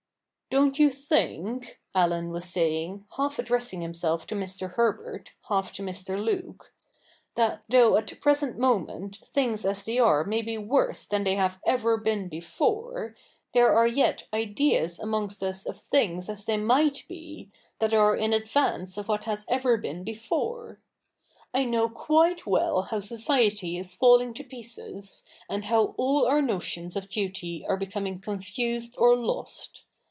* Don't you think,' Allen was saying, half addressing himself to Mr. Herbert, half to Mr. Luke, ' that though at the present moment things as they are may be worse than they have ever been before, there are yet ideas amongst us of thmgs as they might be, that are in advance of what has ever been before ? I know quite well how society is falling to pieces, and how all our notions of duty are be coming confused or lost.